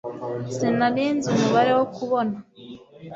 sinari nzi umubare wo kubona